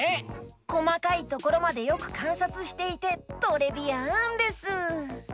こまかいところまでよくかんさつしていてトレビアンです！